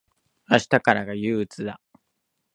明日からが憂鬱だ。